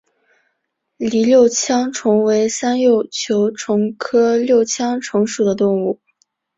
栗六枪虫为三轴球虫科六枪虫属的动物。